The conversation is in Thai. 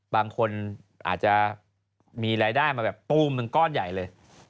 บางคนอาจจะมีรายได้มาแบบปูมหนึ่งก้อนใหญ่เลย